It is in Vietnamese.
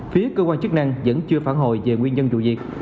phía cơ quan chức năng vẫn chưa phản hồi về nguyên nhân vụ việc